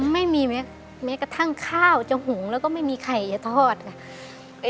ไม่มีแม้กระทั่งข้าวจะหุงแล้วก็ไม่มีไข่จะทอดค่ะ